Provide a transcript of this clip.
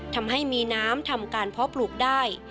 ทำให้มีน้ำทำการเพาะปลูกได้